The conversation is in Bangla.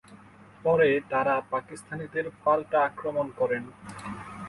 পরে তারা পাকিস্তানিদের পাল্টা আক্রমণ করেন।